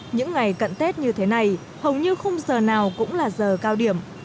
những ngày cận tết như thế này hầu như khung giờ nào cũng là giờ cao điểm